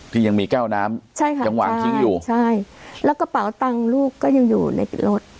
ที่ยังมีแก้วน้ำใช่ค่ะยังวางทิ้งอยู่ใช่แล้วกระเป๋าตังค์ลูกก็ยังอยู่ในรถ